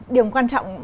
điều quan trọng